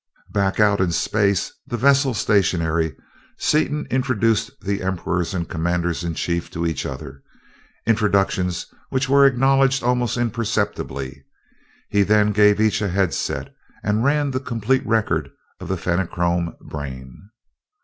Back out in space, the vessel stationary, Seaton introduced the emperors and commanders in chief to each other introductions which were acknowledged almost imperceptibly. He then gave each a headset, and ran the complete record of the Fenachrone brain.